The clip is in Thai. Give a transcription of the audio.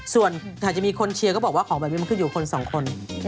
ส่วนถ้าจะมีคนเชียร์ก็บอกว่าของแบบนี้มันขึ้นอยู่คนสองคน